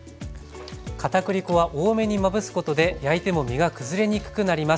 片栗粉は多めにまぶすことで焼いても身がくずれにくくなります。